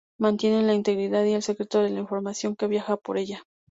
mantiene la integridad y el secreto de la información que viaja por ella